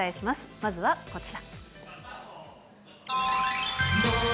まずはこちら。